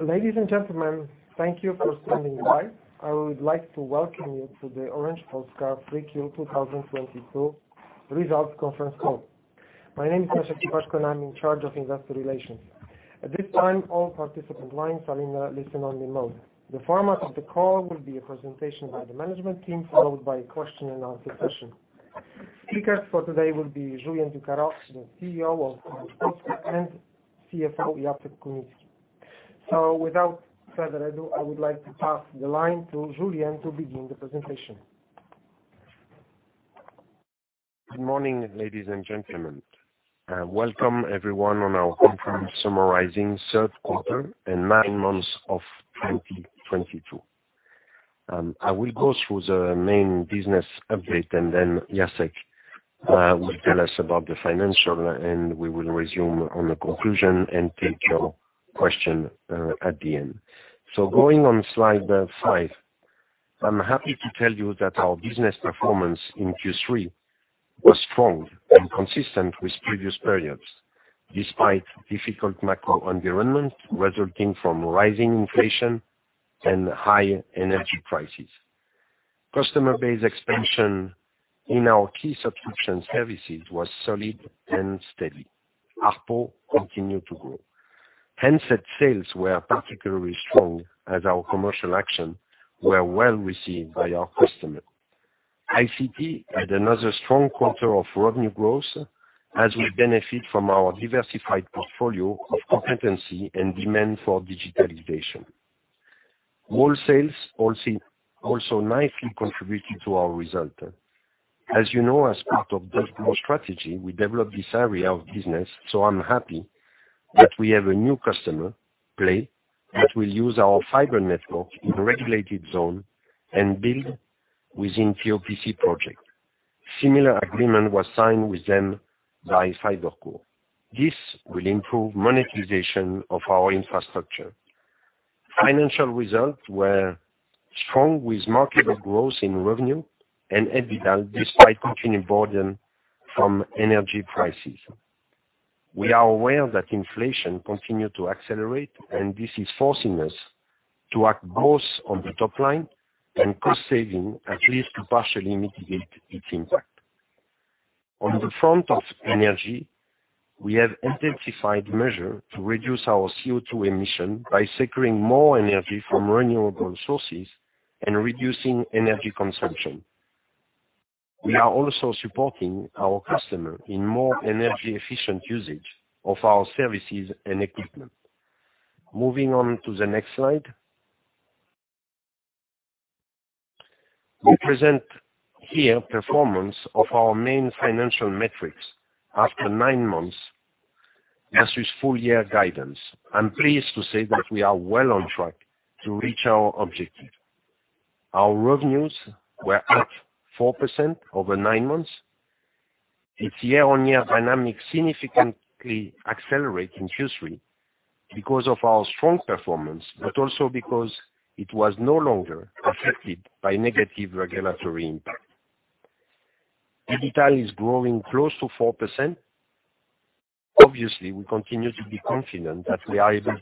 Ladies and gentlemen, thank you for standing by. I would like to welcome you to the Orange Polska Q3 2022 results Conference Call. My name is Leszek Iwaszko, and I'm in charge of investor relations. At this time, all participant lines are in listen-only mode. The format of the call will be a presentation by the management team, followed by question and answer session. Speakers for today will be Julien Ducarroz, the CEO of Orange Polska, and Jacek Kunicki, CFO. Without further ado, I would like to pass the line to Julien to begin the presentation. Good morning, ladies and gentlemen. Welcome everyone to our conference summarizing Q3 and nine months of 2022. I will go through the main business update, and then Jacek will tell us about the financials, and we will move on to the conclusion and take your questions at the end. Going on slide 5. I'm happy to tell you that our business performance in Q3 was strong and consistent with previous periods, despite difficult macro environment resulting from rising inflation and high energy prices. Customer base expansion in our key subscription services was solid and steady. ARPU continued to grow. Handset sales were particularly strong as our commercial actions were well received by our customers. ICT had another strong quarter of revenue growth as we benefit from our diversified portfolio of competencies and demand for digitalization. Wholesale also nicely contributed to our results. As you know, as part of the group strategy, we developed this area of business, so I'm happy that we have a new customer Play that will use our fiber network in regulated zone and built within POPC project. Similar agreement was signed with them by the FiberCo. This will improve monetization of our infrastructure. Financial results were strong with marked growth in revenue and EBITDA despite continued burden from energy prices. We are aware that inflation continued to accelerate, and this is forcing us to act both on the top line and cost savings, at least to partially mitigate its impact. On the front of energy, we have intensified measures to reduce our CO2 emissions by securing more energy from renewable sources and reducing energy consumption. We are also supporting our customers in more energy efficient usage of our services and equipment. Moving on to the next slide. We present here performance of our main financial metrics after nine months versus full-year guidance. I'm pleased to say that we are well on track to reach our objective. Our revenues were up 4% over nine months. This year-on-year dynamic significantly accelerate in Q3 because of our strong performance, but also because it was no longer affected by negative regulatory impact. EBITDA is growing close to 4%. Obviously, we continue to be confident that we are able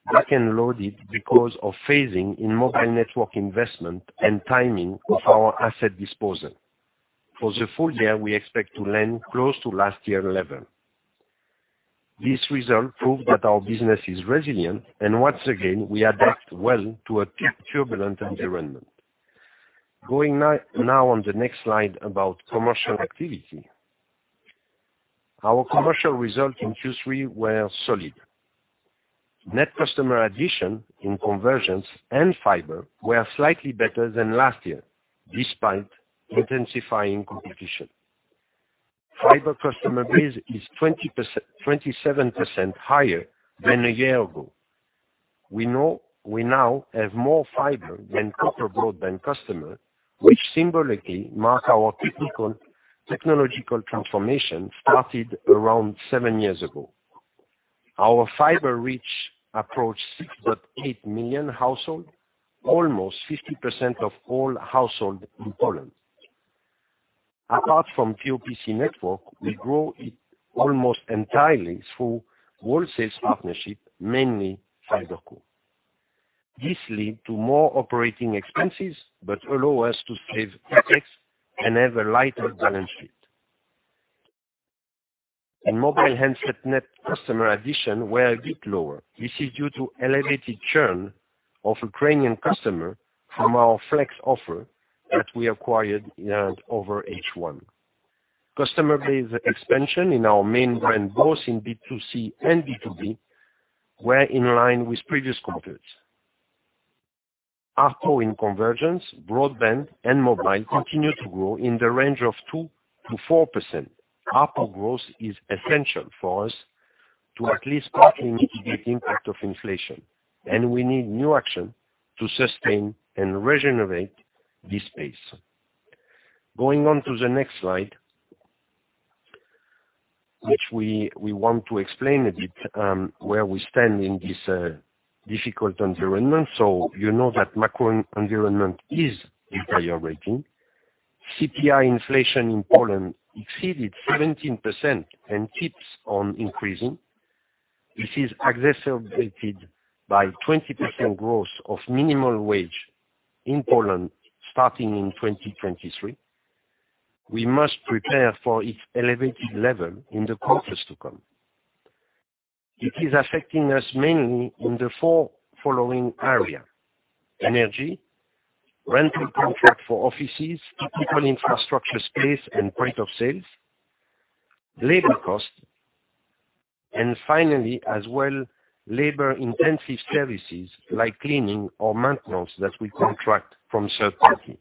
to deliver growth for the full-year. eCAPEX this year is particularly back-loaded because of phasing in mobile network investment and timing of our asset disposal. For the full-year, we expect to land close to last year level. This result proved that our business is resilient, and once again, we adapt well to a turbulent environment. Going now on the next slide about commercial activity. Our commercial results in Q3 were solid. Net customer addition in convergence and fiber were slightly better than last year, despite intensifying competition. Fiber customer base is 27% higher than a year ago. We now have more fiber than copper broadband customer, which symbolically mark our typical technological transformation started around 7 years ago. Our fiber reach approached 6.8 million households, almost 50% of all households in Poland. Apart from POPC network, we grow it almost entirely through wholesale partnership, mainly the FiberCo. This lead to more operating expenses, but allow us to save OPEX and have a lighter balance sheet. In mobile handset net customer additions were a bit lower. This is due to elevated churn of Ukrainian customer from our flex offer that we acquired in over H1. Customer base expansion in our main brand, both in B2C and B2B, were in line with previous quarters. ARPU in convergence, broadband and mobile continued to grow in the range of 2%-4%. ARPU growth is essential for us to at least partially mitigate impact of inflation, and we need new action to sustain and rejuvenate this space. Going on to the next slide, which we want to explain a bit where we stand in this difficult environment. You know that macro environment is deteriorating. CPI inflation in Poland exceeded 17% and keeps on increasing. This is exacerbated by 20% growth of minimum wage in Poland starting in 2023. We must prepare for its elevated level in the quarters to come. It is affecting us mainly in the four following area. Energy, rental contract for offices, typical infrastructure space and point of sales, labor cost, and finally, as well, labor-intensive services like cleaning or maintenance that we contract from third party.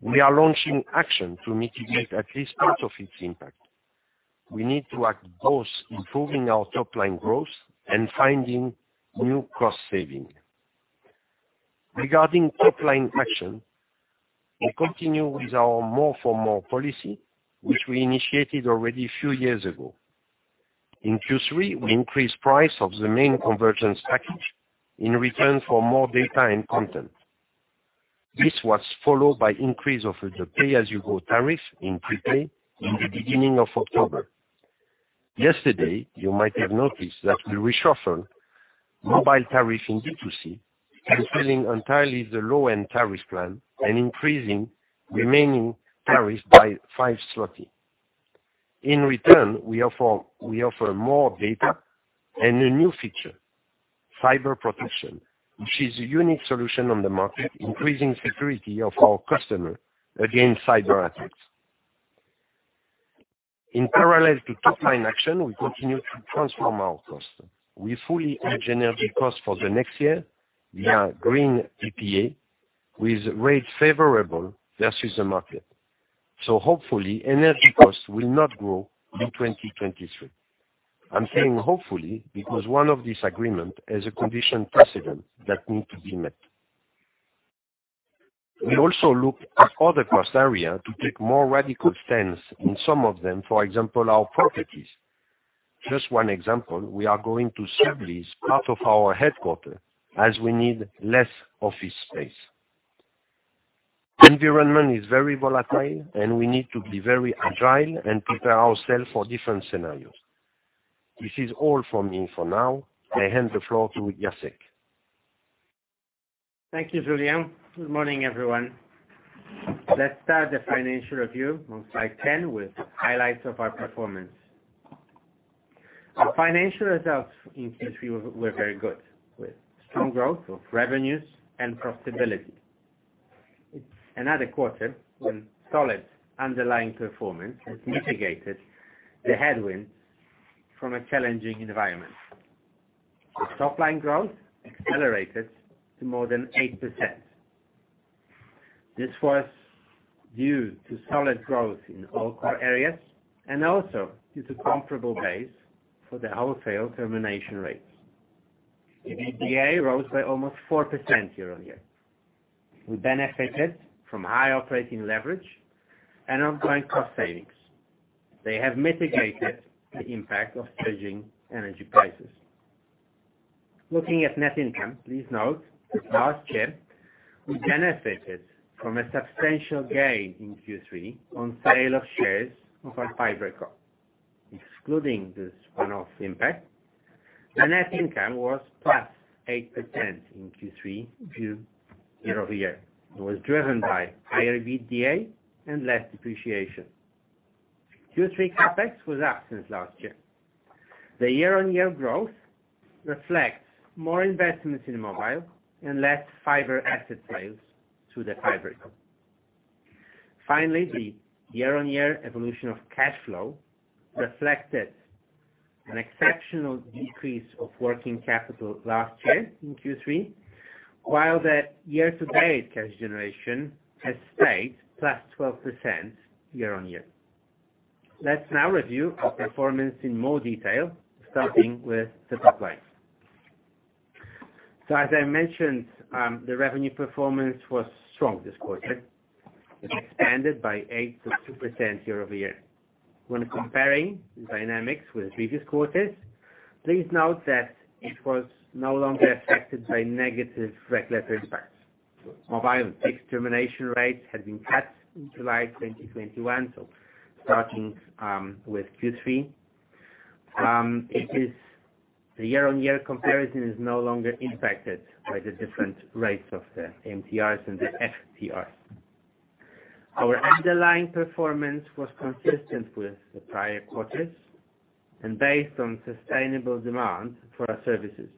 We are launching action to mitigate at least part of its impact. We need to act both improving our top line growth and finding new cost saving. Regarding top line action, we continue with our More for More policy, which we initiated already a few years ago. In Q3, we increased price of the main convergence package in return for more data and content. This was followed by increase of the pay-as-you-go tariff in prepaid in the beginning of October. Yesterday, you might have noticed that we reshuffled mobile tariff in B2C, repealing entirely the low-end tariff plan and increasing remaining tariffs by 5 zloty. In return, we offer more data and a new feature, Cyber Protection, which is a unique solution on the market, increasing security of our customer against cyber attacks. In parallel to top line action, we continue to transform our costs. We fully hedge energy costs for the next year via green PPA with rates favorable versus the market. Hopefully energy costs will not grow in 2023. I'm saying hopefully because one of these agreements has a condition precedent that needs to be met. We also look at other cost areas to take more radical stance in some of them, for example our properties. Just one example, we are going to sublease part of our headquarters as we need less office space. The environment is very volatile and we need to be very agile and prepare ourselves for different scenarios. This is all from me for now. I hand the floor to Jacek Kunicki. Thank you, Julien. Good morning, everyone. Let's start the financial review on slide 10 with highlights of our performance. Our financial results in Q3 were very good, with strong growth of revenues and profitability. Another quarter when solid underlying performance has mitigated the headwinds from a challenging environment. The top line growth accelerated to more than 8%. This was due to solid growth in all core areas and also due to comparable base for the wholesale termination rates. The EBITDA rose by almost 4% year-on-year. We benefited from high operating leverage and ongoing cost savings. They have mitigated the impact of surging energy prices. Looking at net income, please note that last year we benefited from a substantial gain in Q3 on sale of shares of our FiberCo. Excluding the spin-off impact, the net income was +8% in Q3 year-over-year. It was driven by higher EBITDA and less depreciation. Q3 CapEx was up since last year. The year-over-year growth reflects more investments in mobile and less fiber asset sales to the FiberCo. Finally, the year-over-year evolution of cash flow reflected an exceptional decrease of working capital last year in Q3, while the year-to-date cash generation has stayed plus 12% year-over-year. Let's now review our performance in more detail, starting with the top line. As I mentioned, the revenue performance was strong this quarter. It expanded by 8% year-over-year. When comparing the dynamics with previous quarters, please note that it was no longer affected by negative regulatory impacts. Mobile and fixed termination rates have been cut in July 2021, so starting with Q3. It is the year-on-year comparison is no longer impacted by the different rates of the MTRs and the FTRs. Our underlying performance was consistent with the prior quarters and based on sustainable demand for our services.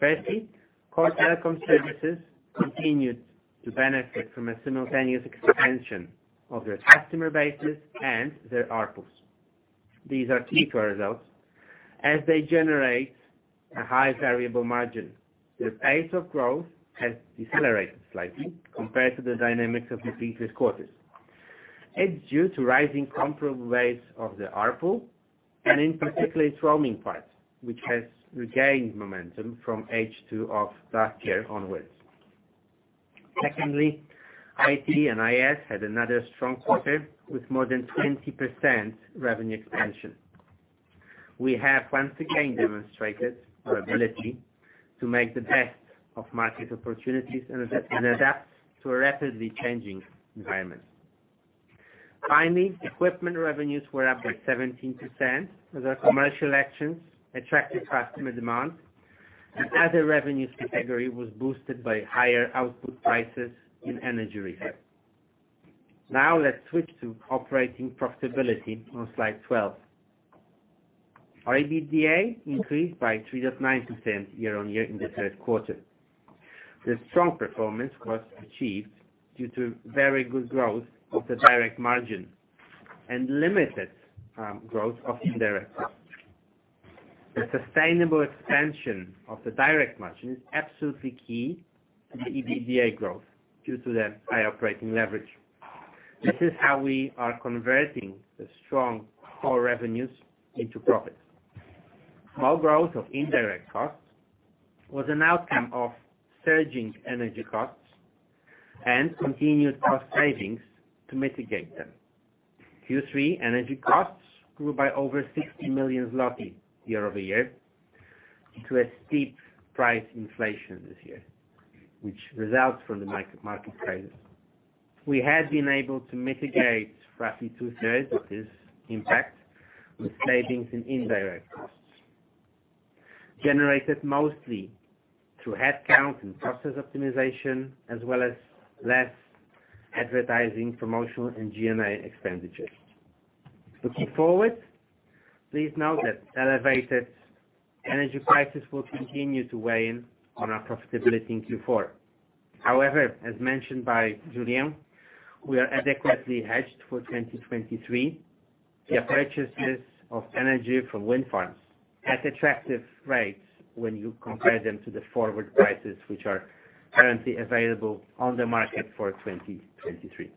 Firstly, core telecom services continued to benefit from a simultaneous expansion of their customer bases and their ARPU. These are key for results as they generate a high variable margin. The pace of growth has decelerated slightly compared to the dynamics of the previous quarters. It's due to rising comparable rates of the ARPU and in particular its roaming part, which has regained momentum from H2 of last year onwards. Secondly, IT and IS had another strong quarter with more than 20% revenue expansion. We have once again demonstrated our ability to make the best of market opportunities and adapt to a rapidly changing environment. Finally, equipment revenues were up by 17% as our commercial actions attracted customer demand. The other revenues category was boosted by higher output prices in energy retail. Now let's switch to operating profitability on slide 12. Our EBITDA increased by 3.9% year-over-year in the Q3. The strong performance was achieved due to very good growth of the direct margin and limited growth of indirect costs. The sustainable expansion of the direct margin is absolutely key to the EBITDA growth due to the high operating leverage. This is how we are converting the strong core revenues into profits. Small growth of indirect costs was an outcome of surging energy costs and continued cost savings to mitigate them. Q3 energy costs grew by over 60 million zloty year-over-year due to a steep price inflation this year, which results from the market crisis. We have been able to mitigate roughly two-thirds of this impact with savings in indirect costs, generated mostly through headcount and process optimization as well as less advertising, promotional, and G&A expenditures. Looking forward, please note that elevated energy prices will continue to weigh in on our profitability in Q4. However, as mentioned by Julien, we are adequately hedged for 2023 via purchases of energy from wind farms at attractive rates when you compare them to the forward prices, which are currently available on the market for 2023.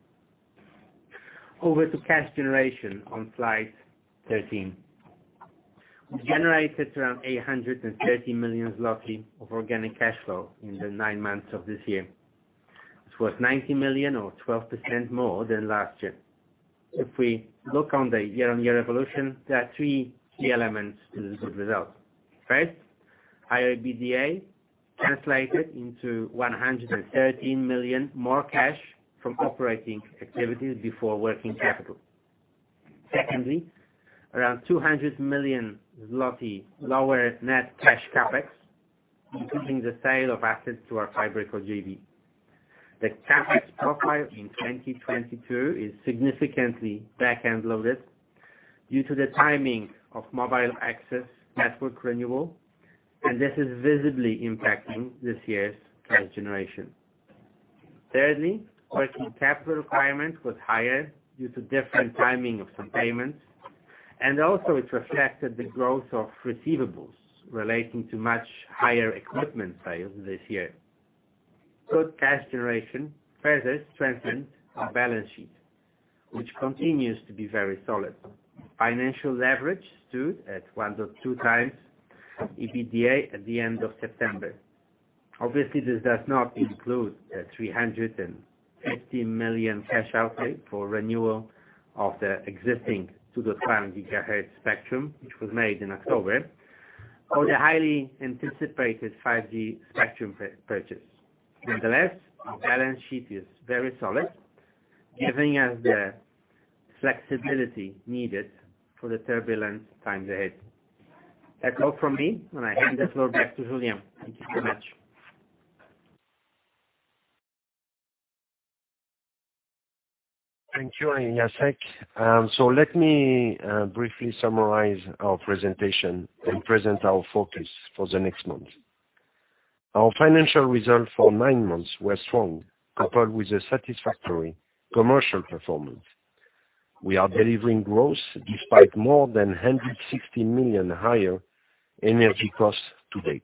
Over to cash generation on slide 13. We generated around 830 million zloty of organic cash flow in the nine months of this year. It was 90 million or 12% more than last year. If we look on the year-on-year evolution, there are three key elements to this good result. First, higher EBITDA translated into 113 million more cash from operating activities before working capital. Secondly, around 200 million zloty lower net cash CapEx, including the sale of assets to our FiberCo JV. The CapEx profile in 2022 is significantly back-end loaded due to the timing of mobile access network renewal, and this is visibly impacting this year's cash generation. Thirdly, working capital requirements was higher due to different timing of some payments, and also it reflected the growth of receivables relating to much higher equipment sales this year. Good cash generation further strengthened our balance sheet, which continues to be very solid. Financial leverage stood at 1.2 times EBITDA at the end of September. Obviously, this does not include the 350 million cash outlay for renewal of the existing 2.5 GHz spectrum, which was made in October, or the highly anticipated 5G spectrum purchase. Nonetheless, our balance sheet is very solid, giving us the flexibility needed for the turbulent times ahead. That's all from me, and I hand the floor back to Julien. Thank you very much. Thank you, Jacek. Let me briefly summarize our presentation and present our focus for the next months. Our financial results for nine months were strong, coupled with a satisfactory commercial performance. We are delivering growth despite more than 160 million higher energy costs to date.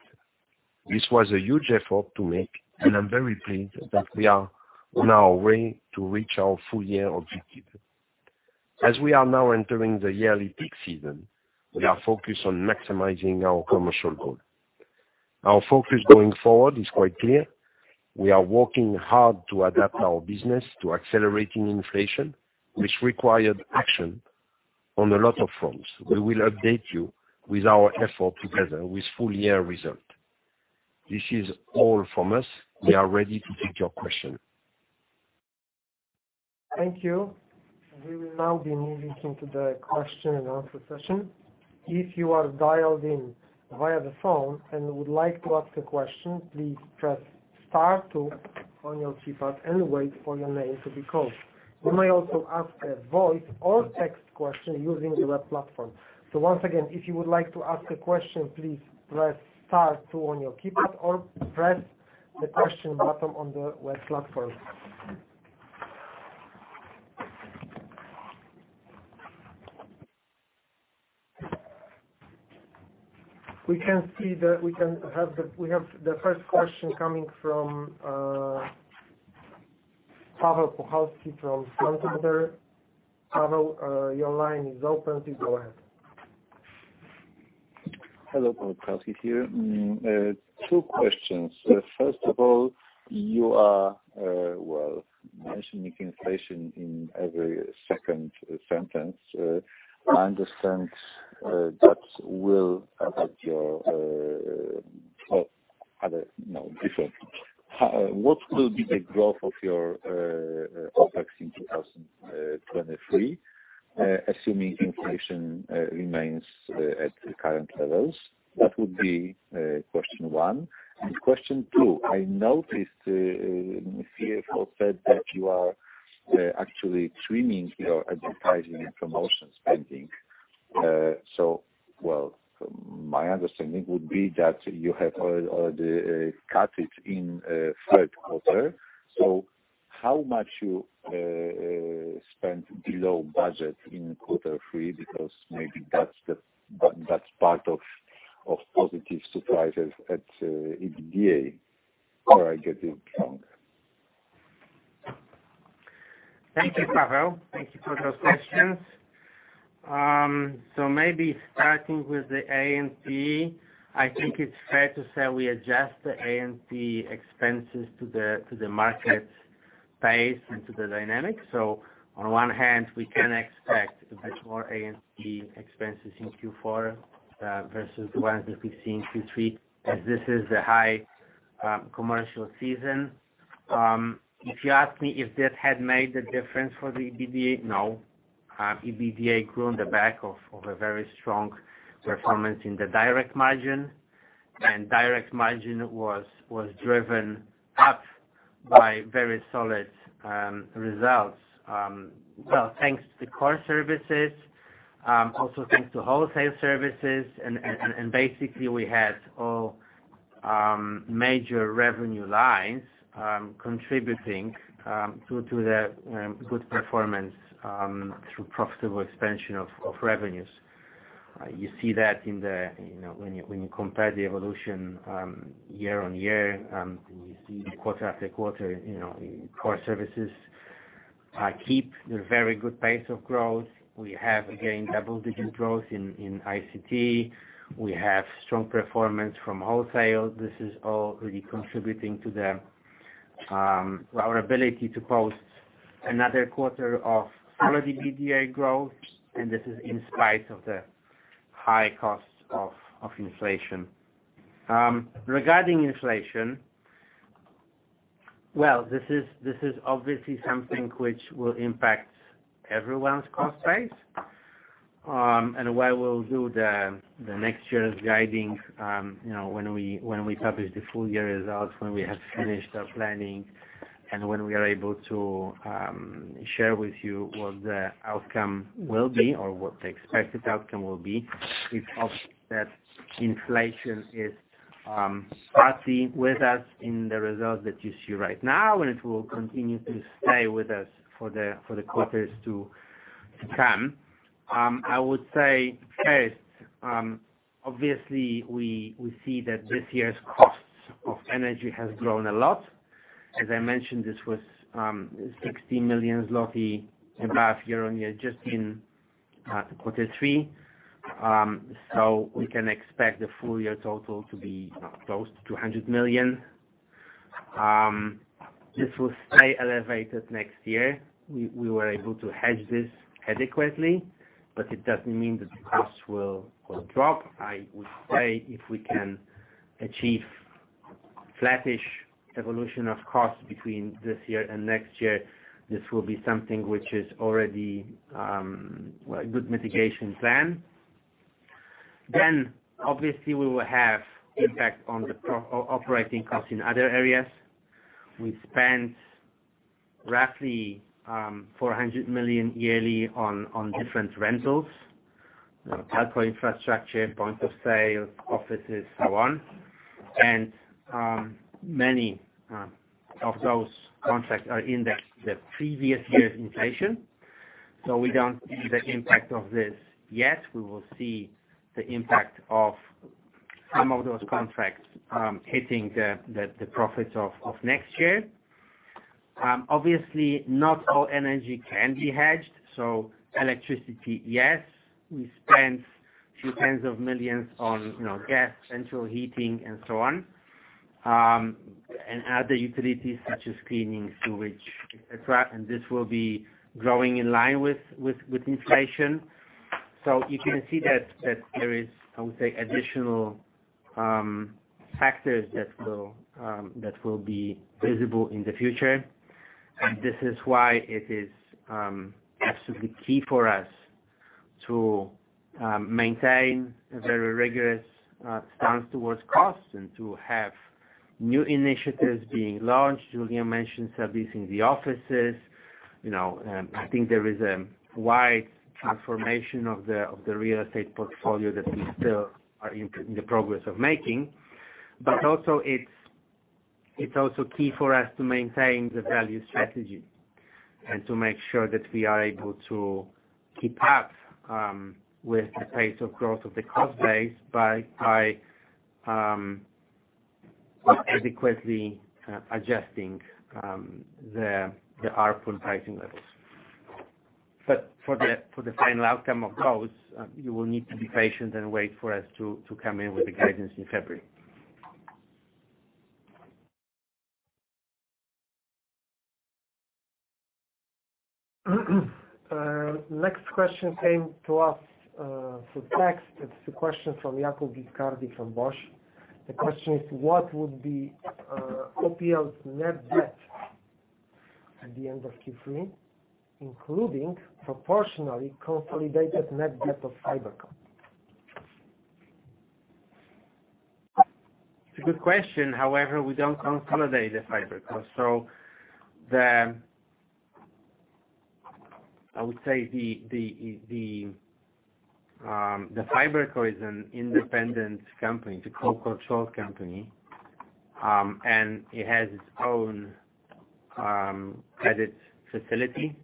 This was a huge effort to make, and I'm very pleased that we are on our way to reach our full-year objective. As we are now entering the yearly peak season, we are focused on maximizing our commercial goal. Our focus going forward is quite clear. We are working hard to adapt our business to accelerating inflation, which required action on a lot of fronts. We will update you with our effort together with full-year result. This is all from us. We are ready to take your question. Thank you. We will now be moving into the question and answer session. If you are dialed in via the phone and would like to ask a question, please press star two on your keypad and wait for your name to be called. You may also ask a voice or text question using the web platform. Once again, if you would like to ask a question, please press star two on your keypad or press the question button on the web platform. We have the first question coming from Paweł Puchalski from Santander. Paweł, your line is open. Please go ahead. Hello, Paweł Puchalski here. Two questions. First of all, you are well mentioning inflation in every second sentence. I understand that will affect your, what will be the growth of your OPEX in 2023 assuming inflation remains at the current levels? That would be question one. Question two, I noticed CFO said that you are actually trimming your advertising and promotion spending. Well, my understanding would be that you have already cut it in Q3. How much you spent below budget in quarter three? Because maybe that's the part of positive surprises at EBITDA, or I get it wrong. Thank you, Paweł. Thank you for those questions. Maybe starting with the A&P, I think it's fair to say we adjust the A&P expenses to the market pace and to the dynamics. On one hand, we can expect much more A&P expenses in Q4 versus the ones that we've seen in Q3, as this is the high commercial season. If you ask me if this had made a difference for the EBITDA, no. EBITDA grew on the back of a very strong performance in the direct margin. Direct margin was driven up by very solid results. Well, thanks to the core services, also thanks to wholesale services and basically we had all major revenue lines contributing to the good performance through profitable expansion of revenues. You see that. You know, when you compare the evolution year on year, and you see quarter after quarter, you know, core services keep the very good pace of growth. We have, again, double-digit growth in ICT. We have strong performance from wholesale. This is all really contributing to our ability to post another quarter of solid EBITDA growth, and this is in spite of the high costs of inflation. Regarding inflation, well, this is obviously something which will impact everyone's cost base. While we'll do the next year's guidance, you know, when we publish the full-year results, when we have finished our planning, and when we are able to share with you what the outcome will be or what the expected outcome will be. We thought that inflation is partly with us in the results that you see right now, and it will continue to stay with us for the quarters to come. I would say first, obviously we see that this year's costs of energy has grown a lot. As I mentioned, this was 60 million zloty above year-over-year just in quarter three. So we can expect the full-year total to be close to 200 million. This will stay elevated next year. We were able to hedge this adequately, but it doesn't mean that the costs will drop. I would say if we can achieve flattish evolution of costs between this year and next year, this will be something which is already well a good mitigation plan. Obviously, we will have impact on the operating costs in other areas. We spent roughly 400 million yearly on different rentals, telco infrastructure, point of sale, offices, so on. Many of those contracts are in the previous year's inflation, so we don't see the impact of this yet. We will see the impact of some of those contracts hitting the profits of next year. Obviously not all energy can be hedged, so electricity, yes. We spend 20 million on gas, central heating and so on, and other utilities such as cleaning, sewage, et cetera. This will be growing in line with inflation. You can see that there is, I would say, additional factors that will be visible in the future. This is why it is absolutely key for us to maintain a very rigorous stance towards costs and to have new initiatives being launched. Julien mentioned service in the offices. You know, I think there is a wide transformation of the real estate portfolio that we still are in the progress of making. It's also key for us to maintain the value strategy and to make sure that we are able to keep up with the pace of growth of the cost base by adequately adjusting the ARPU pricing levels. For the final outcome of those, you will need to be patient and wait for us to come in with the guidance in February. Next question came to us through text. It's a question from Jakub Viscardi from BOŚ. The question is: What would be OPL's net debt at the end of Q3, including proportionally consolidated net debt of the FiberCo? It's a good question. However, we don't consolidate the FiberCo. I would say the FiberCo is an independent company. It's a co-controlled company, and it has its own credit facility,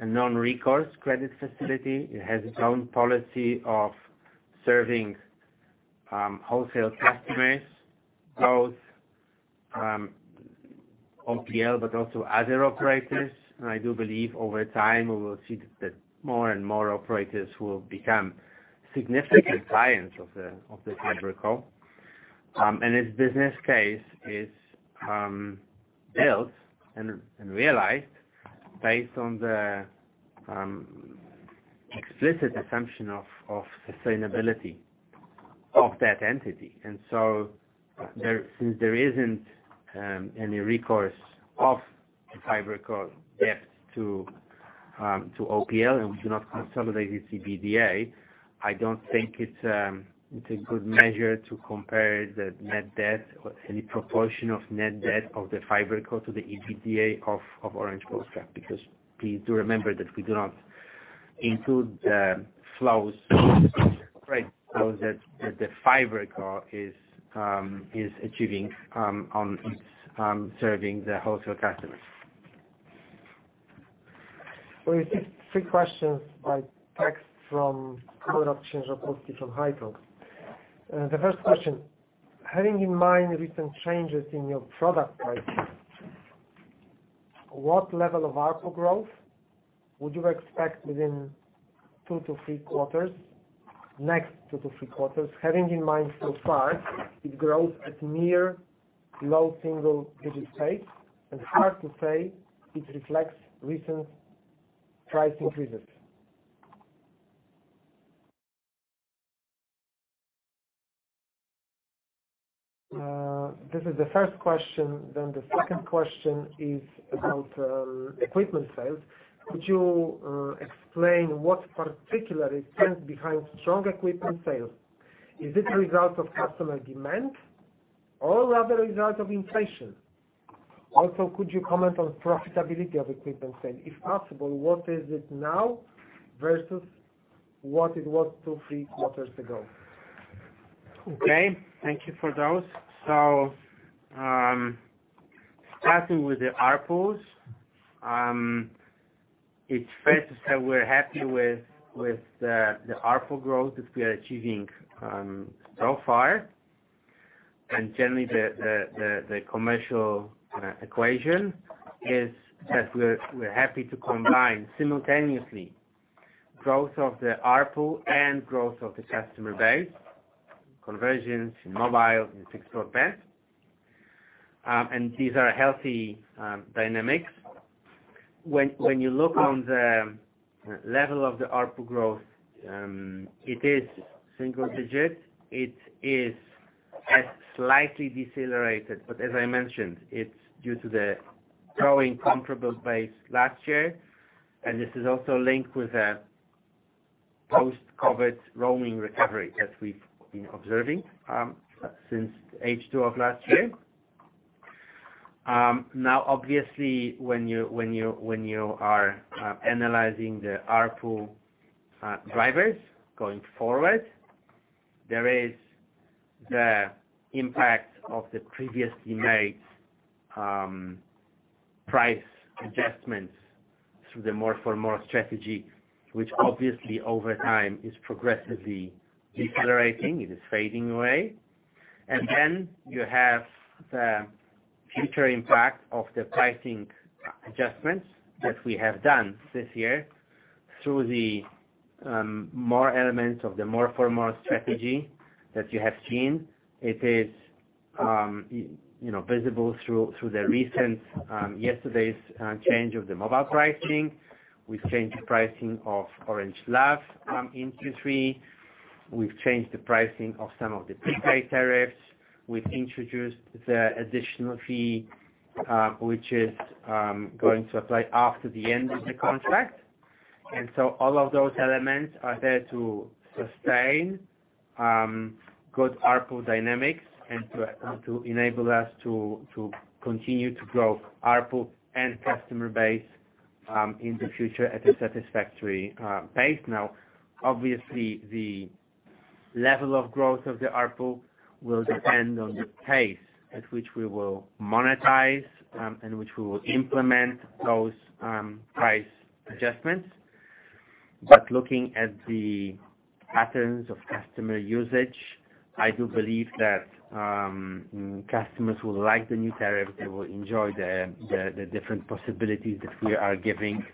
a non-recourse credit facility. It has its own policy of serving wholesale customers, both OPL, but also other operators. I do believe over time we will see that more and more operators will become significant clients of the FiberCo. Its business case is built and realized based on the explicit assumption of sustainability of that entity. Since there isn't any recourse of the FiberCo debt to OPL, and we do not consolidate its EBITDA, I don't think it's a good measure to compare the net debt or any proportion of net debt of the FiberCo to the EBITDA of Orange Polska. Because please do remember that we do not include the flows, right, flows that the FiberCo is achieving on its serving the wholesale customers. We received three questions by text from Robert Rżepkowski from Haitong. The first question: Having in mind recent changes in your product pricing, what level of ARPU growth would you expect within 2-3 quarters, next 2-3 quarters, having in mind so far it grows at near low single-digit pace, and hard to say it reflects recent price increases? This is the first question. The second question is about equipment sales. Could you explain what particular trend is behind strong equipment sales? Is it a result of customer demand or other result of inflation? Also, could you comment on profitability of equipment sale? If possible, what is it now versus what it was 2-3 quarters ago? Okay. Thank you for those. Starting with the ARPUs, it's fair to say we're happy with the commercial equation that we're happy to combine simultaneously growth of the ARPU and growth of the customer base, conversions in mobile and fixed broadband. These are healthy dynamics. When you look on the level of the ARPU growth, it is single digit. It has slightly decelerated, but as I mentioned, it's due to the growing comparable base last year. This is also linked with the post-COVID roaming recovery that we've been observing since H2 of last year. Now, obviously, when you are analyzing the ARPU drivers going forward, there is the impact of the previously made price adjustments through the More for More strategy, which obviously over time is progressively decelerating. It is fading away. Then you have the future impact of the pricing adjustments that we have done this year through the more elements of the More for More strategy that you have seen. It is, you know, visible through the recent yesterday's change of the mobile pricing. We've changed the pricing of Orange Love in Q3. We've changed the pricing of some of the prepaid tariffs. We've introduced the additional fee, which is going to apply after the end of the contract. All of those elements are there to sustain good ARPU dynamics and to enable us to continue to grow ARPU and customer base in the future at a satisfactory pace. Now, obviously, the level of growth of the ARPU will depend on the pace at which we will monetize and which we will implement those price adjustments. Looking at the patterns of customer usage, I do believe that customers will like the new tariff. They will enjoy the different possibilities that we are giving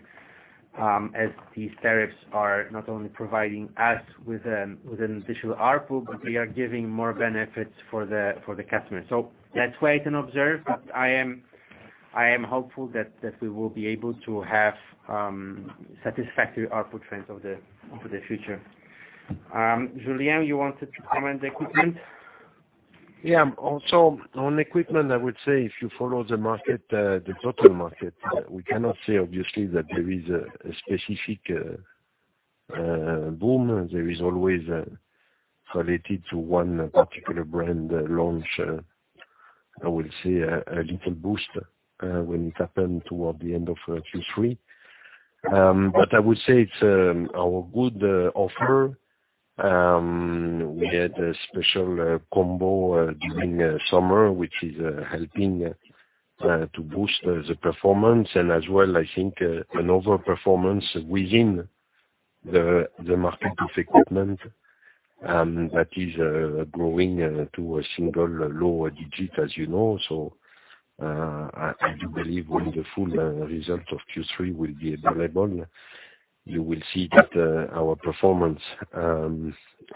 as these tariffs are not only providing us with an additional ARPU, but we are giving more benefits for the customer. Let's wait and observe. I am hopeful that we will be able to have satisfactory output trends over the future. Julien, you wanted to comment on equipment? Yeah. Also on equipment, I would say if you follow the market, the total market, we cannot say obviously that there is a specific boom. There is always related to one particular brand launch. I will say a little boost when it happened toward the end of Q3. I would say it's our good offer. We had a special combo during summer, which is helping to boost the performance and as well I think an overperformance within the market of equipment that is growing in a low single digit, as you know. I do believe when the full result of Q3 will be available, you will see that our performance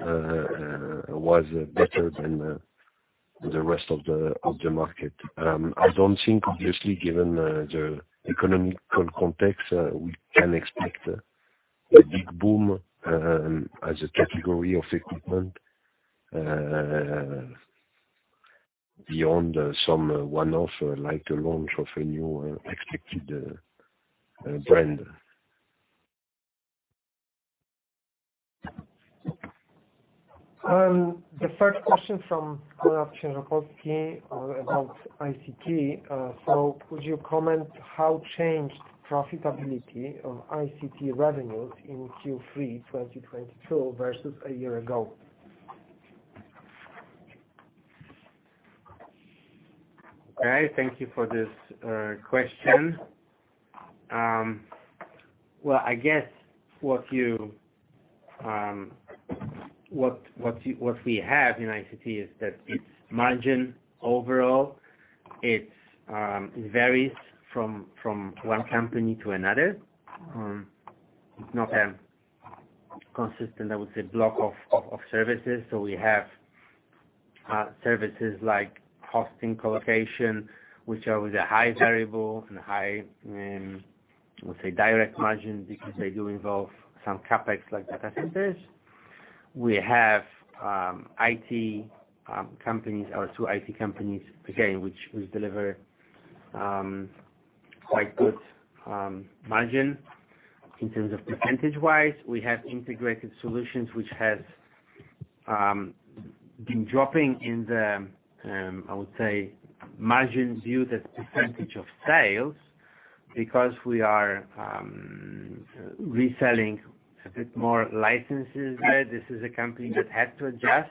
was better than the rest of the market. I don't think obviously given the economic context, we can expect a big boom as a category of equipment beyond some one-off, like the launch of a new expected brand. The first question from Konrad Księżopolski about ICT. Would you comment how changed profitability of ICT revenues in Q3 2022 versus a year ago? All right. Thank you for this question. Well, I guess what we have in ICT is that its margin overall, it varies from one company to another. It's not a consistent, I would say block of services. We have services like hosting collocation, which are with a high variable and high, let's say direct margin because they do involve some CapEx like data centers. We have IT companies or two IT companies again, which will deliver quite good margin in terms of percentage wise. We have integrated solutions which has been dropping in the I would say margin viewed as percentage of sales because we are reselling a bit more licenses there. This is a company that had to adjust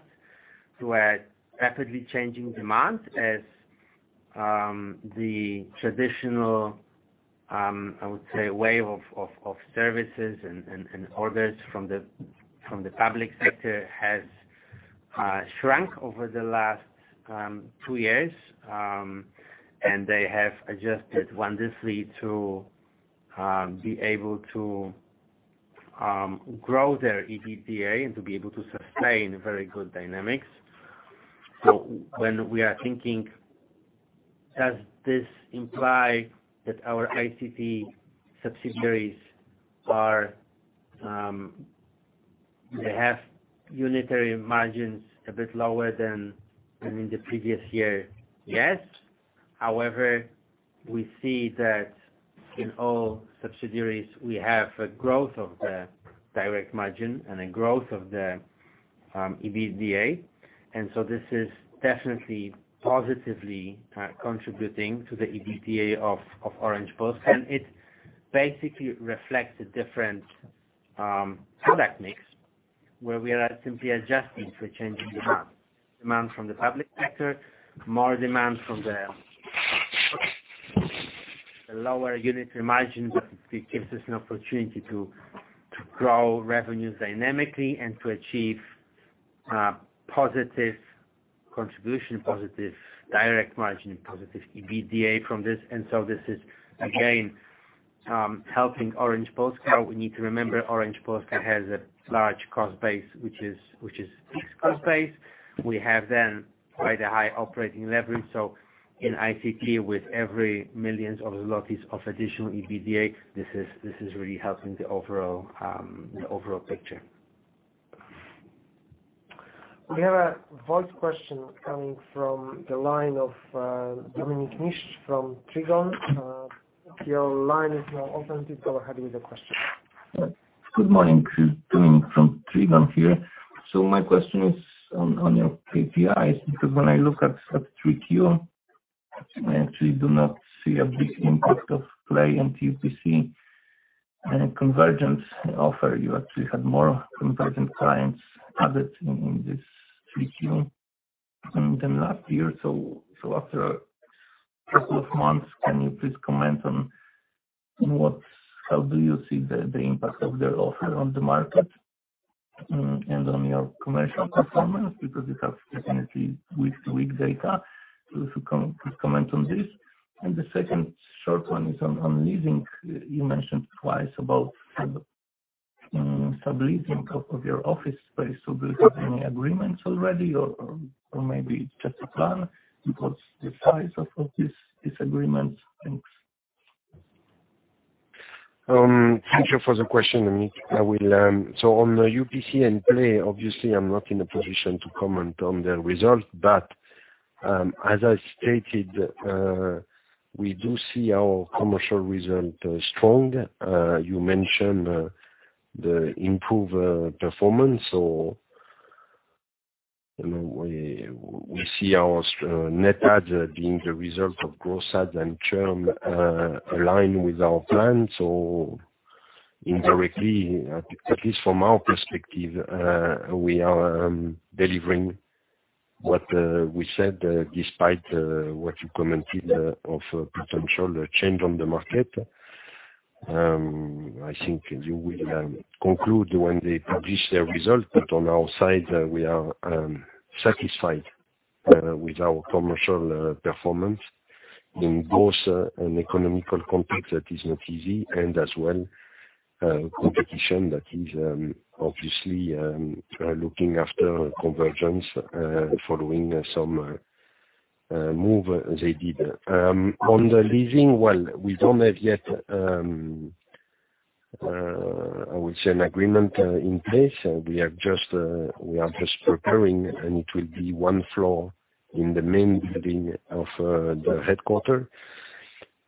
to a rapidly changing demand as the traditional I would say wave of services and orders from the public sector has shrunk over the last two years. They have adjusted wonderfully to be able to grow their EBITDA and to be able to sustain very good dynamics. When we are thinking, does this imply that our ICT subsidiaries, they have unitary margins a bit lower than in the previous year? Yes. However, we see that in all subsidiaries we have a growth of the direct margin and a growth of the EBITDA. This is definitely positively contributing to the EBITDA of Orange Polska. It basically reflects a different product mix where we are simply adjusting to a change in demand. Demand from the public sector, more demand from the lower unit margin, but it gives us an opportunity to grow revenues dynamically and to achieve positive contribution, positive direct margin, and positive EBITDA from this. This is again helping Orange Polska. We need to remember Orange Polska has a large cost base, which is fixed cost base. We have then quite a high operating leverage. In ICT with every millions of PLN of additional EBITDA, this really helping the overall picture. We have a voice question coming from the line of Dominik Niszcz from Trigon. Your line is now open. Go ahead with the question. Good morning. Dominik from Trigon here. My question is on your KPIs, because when I look at Q3, I actually do not see a big impact of Play on TPC and convergence offer. You actually had more convergent clients added in this Q3 than last year. After a couple of months, can you please comment on what how you see the impact of their offer on the market and on your commercial performance? Because you have definitely week-to-week data. If you could comment on this. The second short one is on leasing. You mentioned twice about sub-leasing of your office space. Do you have any agreements already or maybe just a plan? Because the size of this agreement. Thanks. Thank you for the question, Dominik. On the UPC and Play, obviously I'm not in a position to comment on their results. As I stated, we do see our commercial result strong. You mentioned the improved performance. You know, we see our net adds being the result of gross adds and churn align with our plans or indirectly, at least from our perspective, we are delivering what we said despite what you commented of potential change on the market. I think you will conclude when they publish their result. On our side, we are satisfied with our commercial performance in both an economic context that is not easy and as well competition that is obviously looking after convergence, following some move they did. Well, on the leasing, we don't have yet an agreement in place. We are just preparing, and it will be one floor in the main building of the headquarters.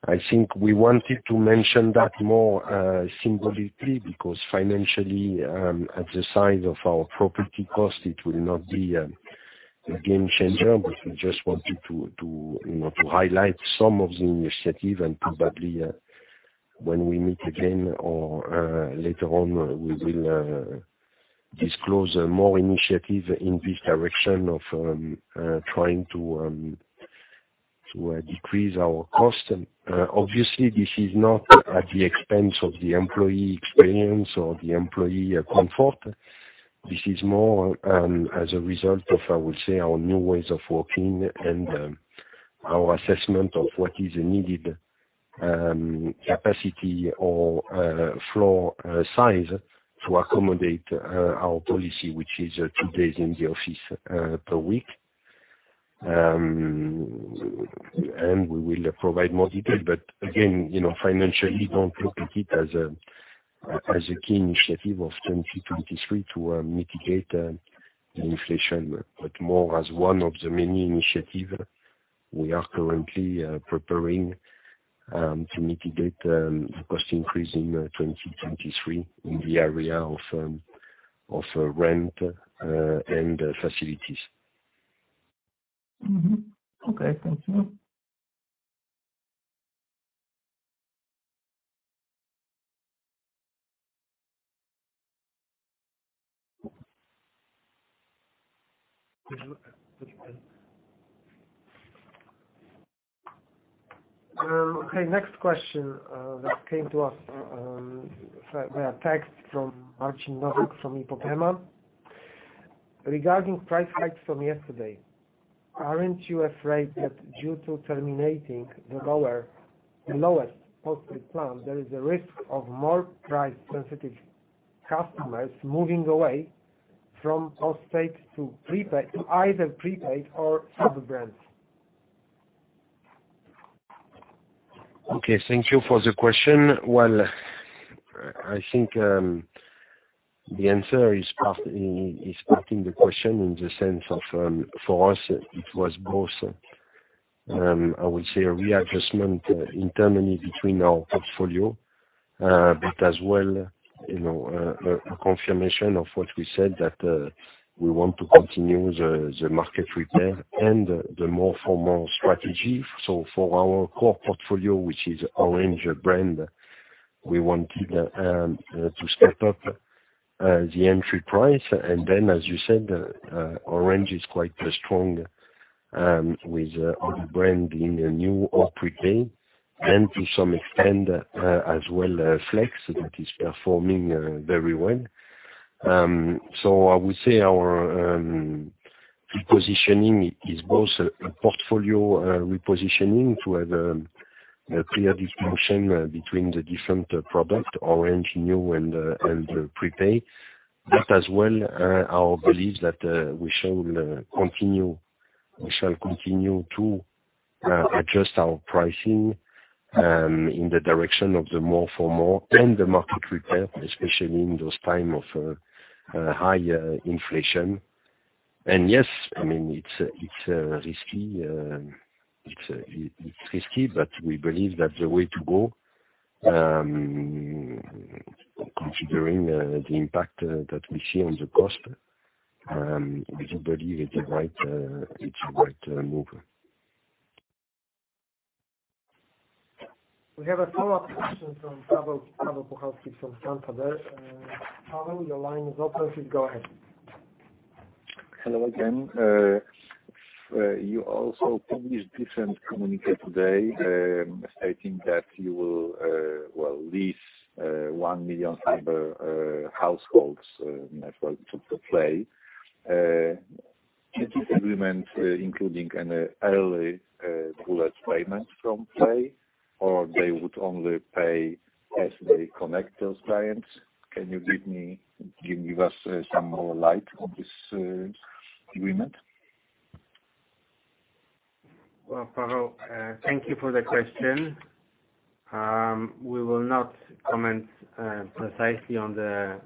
I think we wanted to mention that more symbolically, because financially, at the size of our property cost, it will not be a game changer. We just wanted to, you know, highlight some of the initiative and probably when we meet again or later on we will disclose more initiative in this direction of trying to decrease our cost. Obviously this is not at the expense of the employee experience or the employee comfort. This is more as a result of, I would say, our new ways of working and our assessment of what is needed capacity or floor size to accommodate our policy, which is two days in the office per week. We will provide more detail, but again, you know, financially don't look at it as a key initiative of 2023 to mitigate the inflation, but more as one of the many initiative we are currently preparing to mitigate the cost increase in 2023 in the area of rent and facilities. Okay. Thank you. Okay, next question that came to us via text from Marcin Nowak from Ipopema Securities. Regarding price hikes from yesterday, aren't you afraid that due to terminating the lowest postpaid plan, there is a risk of more price-sensitive customers moving away from postpaid to prepaid, to either prepaid or other brands? Okay, thank you for the question. Well, I think the answer is part in the question in the sense of, for us it was both, I would say a readjustment internally between our portfolio, but as well, you know, a confirmation of what we said that we want to continue the market repair and the More for More strategy. For our core portfolio, which is Orange brand, we want to step up the entry price. Then as you said, Orange is quite strong with our brand in the nju prepaid and to some extent, as well, Flex that is performing very well. I would say our repositioning is both a portfolio repositioning to have a clear distinction between the different products, Orange, nju and prepaid, but as well our belief that we shall continue to adjust our pricing in the direction of the More for More and the market repair, especially in this time of high inflation. Yes, I mean, it's risky, but we believe that's the way to go. Considering the impact that we see on the costs, we believe it's the right move. We have a follow-up question from Paweł Puchalski from Santander. Paweł, your line is open. Please go ahead. Hello again. You also published different communique today, stating that you will, well, lease 1 million fiber households network to Play. Is this agreement including an early bullet payment from Play, or they would only pay as they connect those clients? Can you give us some more light on this agreement? Well, Paweł, thank you for the question. We will not comment precisely on the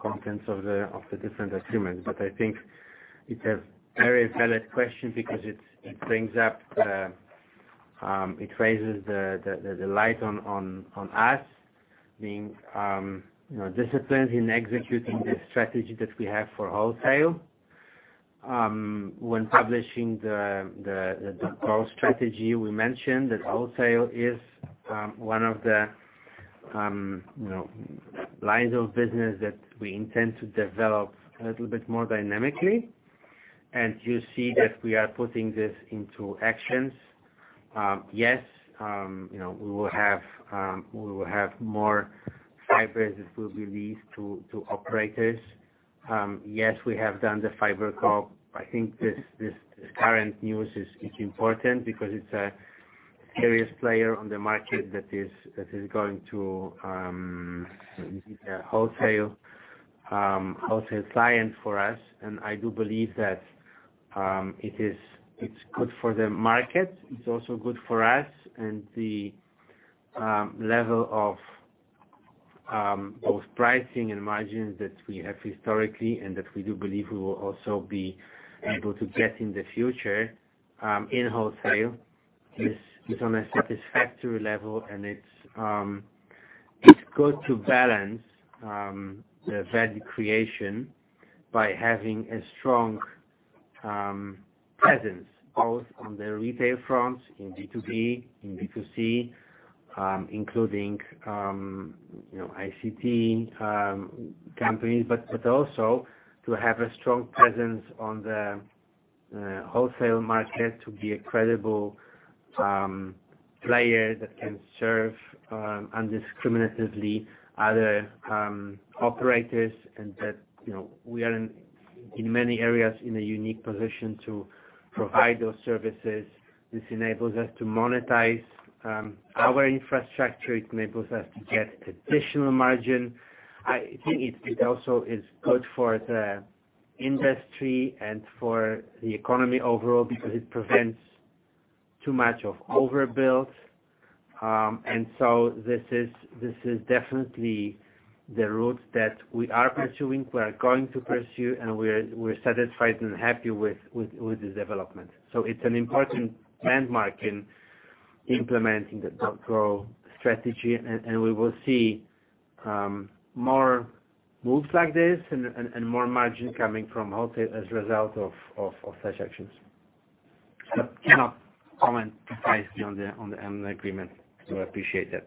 contents of the different agreements. But I think it's a very valid question because it sheds light on us being, you know, disciplined in executing the strategy that we have for wholesale. When publishing the .Grow strategy, we mentioned that wholesale is one of the, you know, lines of business that we intend to develop a little bit more dynamically. You see that we are putting this into action. Yes, you know, we will have more fibers that will be leased to operators. Yes, we have done the FiberCo. I think this current news is important because it's a serious player on the market that is going to be a wholesale client for us. I do believe that it is good for the market. It's also good for us. The level of both pricing and margins that we have historically and that we do believe we will also be able to get in the future in wholesale is on a satisfactory level. It's good to balance the value creation by having a strong presence both on the retail front, in B2B, in B2C, including you know, ICT companies. Also to have a strong presence on the wholesale market, to be a credible player that can serve non-discriminatorily other operators, and that, you know, we are in many areas in a unique position to provide those services. This enables us to monetize our infrastructure. It enables us to get additional margin. I think it also is good for the industry and for the economy overall because it prevents too much of overbuild. This is definitely the route that we are pursuing, we are going to pursue, and we're satisfied and happy with the development. It's an important landmark in implementing the .Grow strategy. We will see more moves like this and more margin coming from wholesale as a result of such actions. Cannot comment precisely on the agreement, so appreciate that.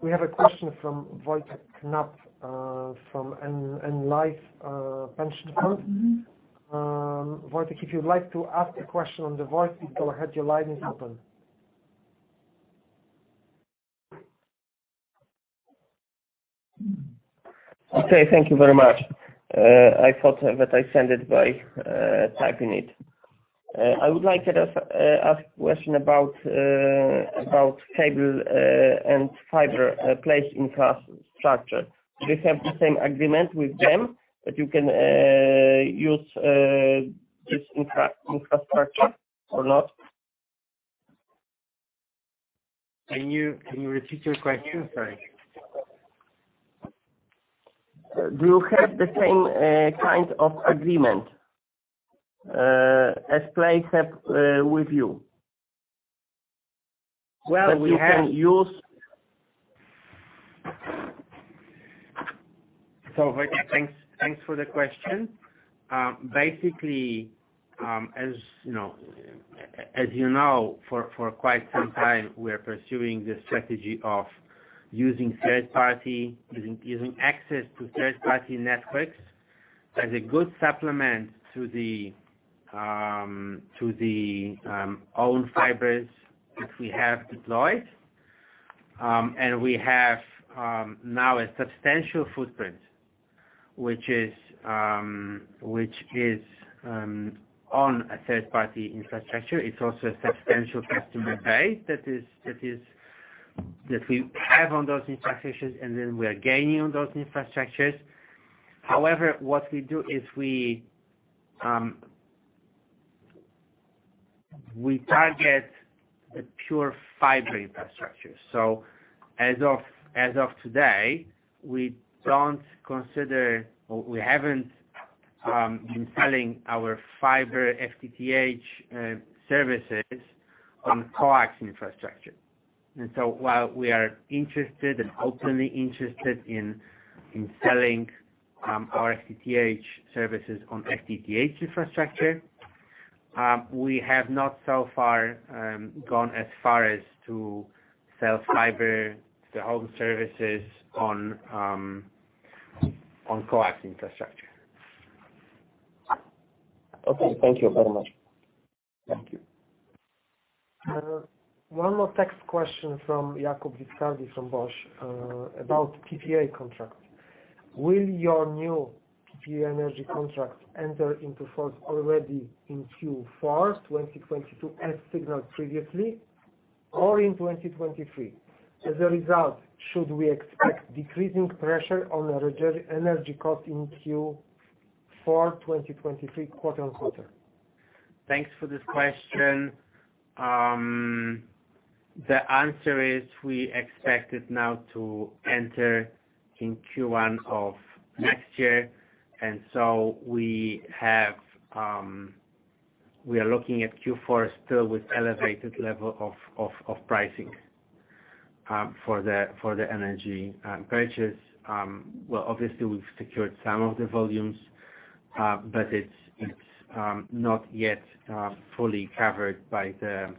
We have a question from Wojciech Knap from NN Life Pension Fund. Wojciech, if you'd like to ask the question on the voice, please go ahead. Your line is open. Okay. Thank you very much. I thought that I send it by typing it. I would like to ask question about cable and fiber-based infrastructure. Do you have the same agreement with them that you can use this infrastructure or not? Can you repeat your question? Sorry. Do you have the same kind of agreement as Play have with you? Well, we have. That you can use. Wojtek, thanks for the question. Basically, as you know, for quite some time, we're pursuing this strategy of using access to third-party networks as a good supplement to the own fibers that we have deployed. We have now a substantial footprint, which is on a third-party infrastructure. It's also a substantial customer base that we have on those infrastructures, and we are gaining on those infrastructures. However, what we do is we target the pure fiber infrastructures. As of today, we don't consider or we haven't been selling our fiber FTTH services on coax infrastructure. While we are interested and openly interested in selling our FTTH services on XGTH infrastructure, we have not so far gone as far as to sell fiber to home services on coax infrastructure. Okay, thank you very much. Thank you. One more text question from Jakub Viscardi from BOŚ about PPA contract. Will your new PPA energy contract enter into force already in Q4 2022 as signaled previously, or in 2023? As a result, should we expect decreasing pressure on the regulatory energy cost in Q4 2023, quarter on quarter? Thanks for this question. The answer is we expect it now to enter in Q1 of next year. We have we are looking at Q4 still with elevated level of pricing for the energy purchase. Well, obviously we've secured some of the volumes, but it's not yet fully covered by the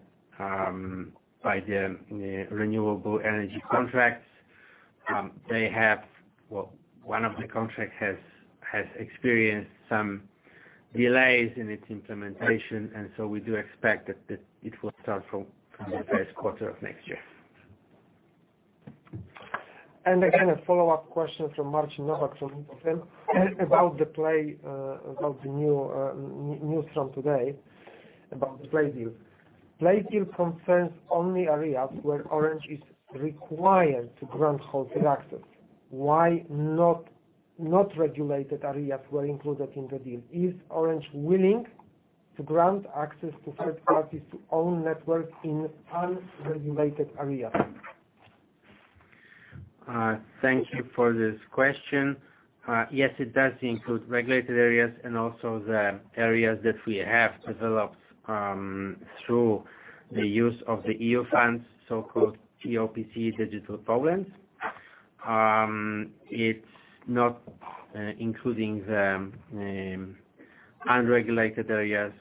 renewable energy contracts. One of the contract has experienced some delays in its implementation, and so we do expect that it will start from the Q1 of next year. A follow-up question from Marcin Nowak from Ipopema. Thank you for this question. Yes, it does include regulated areas and also the areas that we have developed through the use of the EU funds, so-called POPC Digital Poland. It's not including the unregulated areas.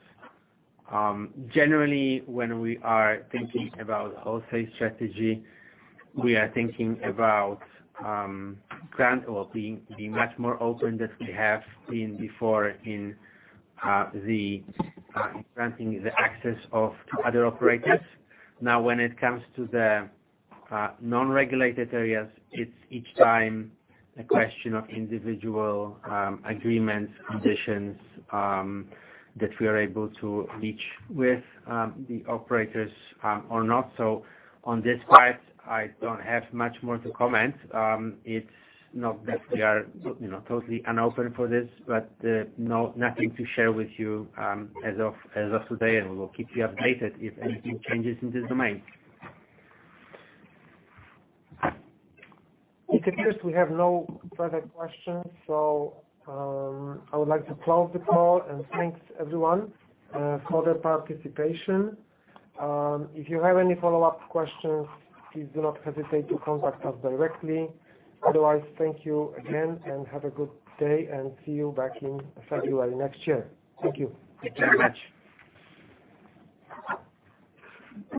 Generally, when we are thinking about wholesale strategy, we are thinking about granting or being much more open than we have been before in granting the access to other operators. Now, when it comes to the non-regulated areas, it's each time a question of individual agreements, conditions that we are able to reach with the operators or not. On this part, I don't have much more to comment. It's not that we are, you know, totally unopen for this, but nothing to share with you as of today, and we will keep you updated if anything changes in this domain. It appears we have no further questions, so I would like to close the call and thanks everyone for their participation. If you have any follow-up questions, please do not hesitate to contact us directly. Otherwise, thank you again and have a good day and see you back in February next year. Thank you. Thank you very much.